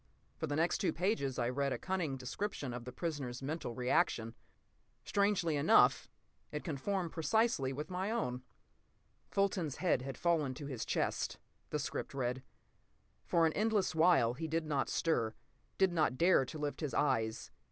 For the next two pages I read a cunning description of the prisoner's mental reaction. Strangely enough, it conformed precisely with my own. "Fulton's head had fallen to his chest," the script read. "For an endless while he did not stir, did not dare to lift his eyes.